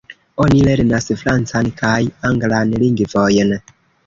Oni lernas francan kaj anglan lingvojn.